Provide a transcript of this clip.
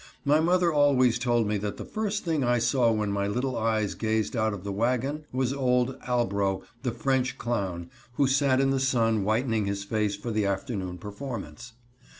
My mother always told me that the first thing I saw when my little eyes gazed out of the wagon was old Albro, the French clown, who sat in the sun whitening his face for the afternoon performance.